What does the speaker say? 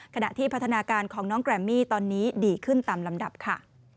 ขณะที่พัฒนาการของน้องแกรมมี่ตอนนี้ดีขึ้นตามลำดับค่ะ